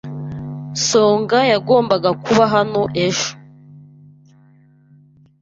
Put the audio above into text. Songa yagombaga kuba hano ejo.